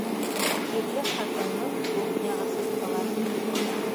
Ирле-ҡатынлы кухняға сыҡтылар.